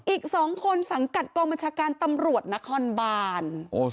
อีก๒คนสังกัดกองบัญชาการตำรวจนครบาน